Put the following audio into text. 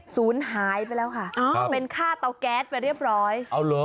ศูนย์หายไปแล้วค่ะเป็นค่าเตาแก๊สไปเรียบร้อยเอาเหรอ